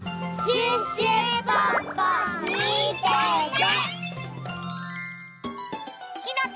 シュッシュポッポみてて！